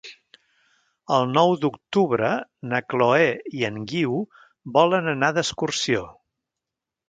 El nou d'octubre na Chloé i en Guiu volen anar d'excursió.